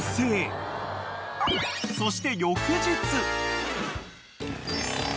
［そして翌日］